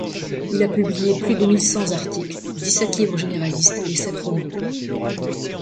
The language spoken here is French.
Il a publié plus de mille cent articles, dix-sept livres généralistes et sept romans.